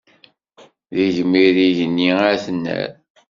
D igmir igenni ad t-nerr.